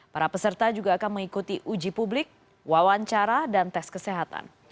para peserta juga akan mengikuti uji publik wawancara dan tes kesehatan